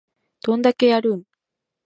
どんだけやるん